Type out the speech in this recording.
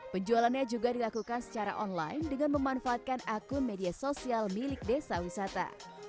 penjualannya juga dilakukan secara online dengan memanfaatkan akun media sosial milik desa wisata